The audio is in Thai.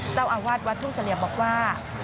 เจ้าอาวาสวัดทุ่งเสลี่ยมบอกว่า